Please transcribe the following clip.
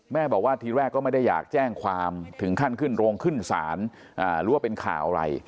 แม่บอกว่าทีแรกก็ไม่ได้อยากแจ้งความถึงขั้นขึ้นโรงขึ้นศาลหรือว่าเป็นข่าวอะไร